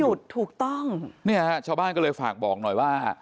คุณก็ต้องหยุดถูกต้องนิ่งเฮะชาวบ้านก็เลยฝากบอกหน่อยว่า